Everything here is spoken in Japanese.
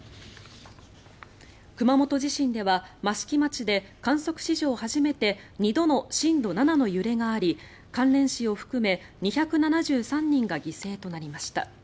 熊本地震では益城町で観測史上初めて２度の震度７の揺れがあり関連死を含め２７３人が犠牲となりました。